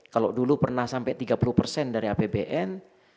kalau dulu pernah sampai tiga puluh persen dari apbn